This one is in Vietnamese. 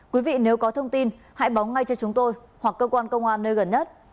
quý vị nếu có thông tin hãy báo ngay cho chúng tôi hoặc cơ quan công an nơi gần nhất